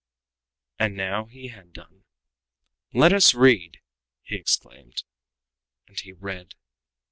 And now he had done. "Let us read!" he exclaimed. And he read.